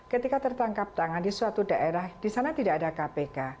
ketika tertangkap tangan di suatu daerah di sana tidak ada kpk